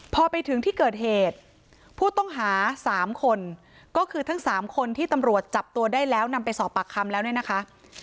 พอไปถึงที่เกิดเหตุผู้ต้องหา๓คนก็คือทั้งสามคนที่ตำรวจจับตัวได้แล้วนำไปสอบปากคำแล้วเนี่ยนะคะ